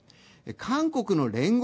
韓国の聯合